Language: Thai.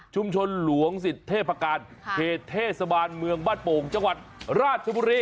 หลวงสิทธิพการเขตเทศบาลเมืองบ้านโป่งจังหวัดราชบุรี